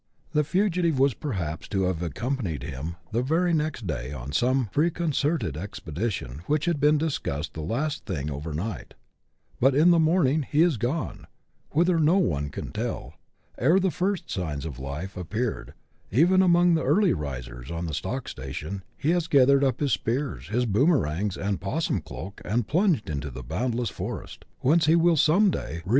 The fugitive was perhaps to have accompanied him the very next day on some preconcerted expedition which had been discussed the last thing over night, but in the morning he is gone, whither no one can tell : ere the first signs of life ap peared, even among the early risers on a stock station, he has gathered up his spears, his boomerings, and *possum cloak, and plunged into the boundless forest, whence he will some day re 106 BUSH LIFE IN AUSTRALIA. [chap. x.